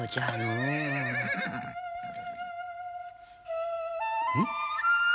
うん？